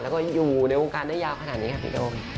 แล้วก็อยู่ในวงการได้ยาวขนาดนี้ครับพี่โอม